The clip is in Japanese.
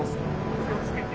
お気をつけて。